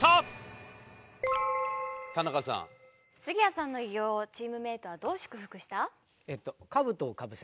杉谷さんの偉業をチームメイトはどう祝福した？